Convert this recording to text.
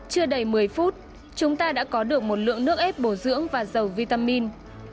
chưa đầy một mươi phút chúng ta đã có được một lượng nước ép bổ dưỡng và dầu vitamin